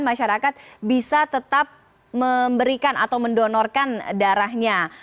masyarakat bisa tetap memberikan atau mendonorkan darahnya